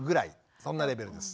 そんなレベルです。